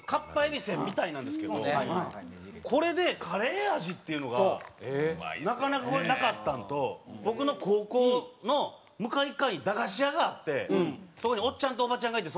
びせんみたいなんですけどこれでカレー味っていうのがなかなかなかったのと僕の高校の向かい側に駄菓子屋があってそこにおっちゃんとおばちゃんがいて。